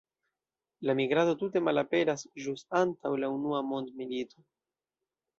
La migrado tute malaperas ĵus antaŭ la Unua mondmilito.